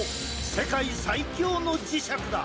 世界最強の磁石だ。